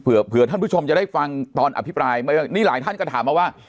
เผื่อท่านผู้ชมจะได้ฟังตอนอภิปรายนี่หลายท่านก็ถามมาว่า